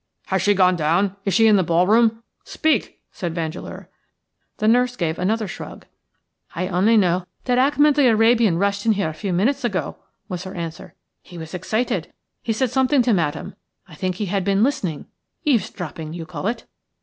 "Has she gone down? Is she in the ball room? Speak!" said Vandeleur. The nurse gave another shrug. "I only know that Achmed the Arabian rushed in here a few minutes ago," was her answer. "He was excited. He said something to Madame. I think he had been listening – eavesdropping, you call it.